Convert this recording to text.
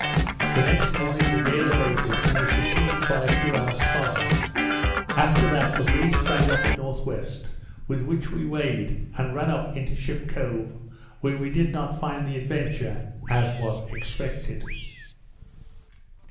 The next morning the gale abated, and was succeeded by a few hours calm; after that a breeze sprang up at N.W., with which we weighed and ran up into Ship Cove, where we did not find the Adventure, as was expected.